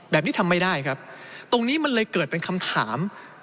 แบบนี้ทำไม่ได้ครับตรงนี้มันเลยเกิดเป็นคำถาม